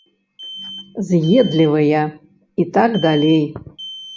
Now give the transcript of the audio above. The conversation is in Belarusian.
З'едлівыя і так далей.